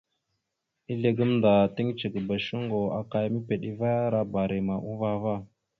Ezle gamənda tiŋgəcekaba shuŋgo aka ya mepeɗevara barima uvah ava.